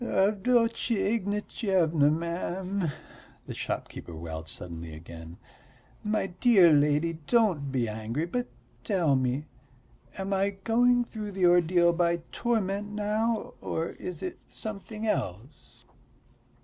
"Avdotya Ignatyevna, ma'am," the shopkeeper wailed suddenly again, "my dear lady, don't be angry, but tell me, am I going through the ordeal by torment now, or is it something else?"